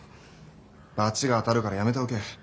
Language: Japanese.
罰が当たるからやめておけ。